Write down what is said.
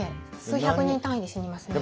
数百人単位で死にますね。